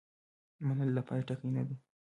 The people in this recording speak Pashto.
منل د پای ټکی نه دی.